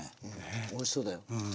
おいしそうだよ。